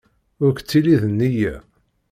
Ur k-ttili d nneyya!